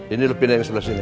ini lo pindahin sebelah sini